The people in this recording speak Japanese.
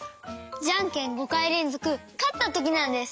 ジャンケン５かいれんぞくかったときなんです！